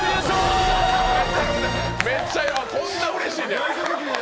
こんなうれしいねん。